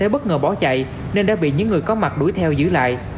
bất ngờ bỏ chạy nên đã bị những người có mặt đuổi theo giữ lại